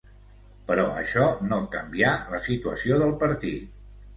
Però això no canvià la situació del partit.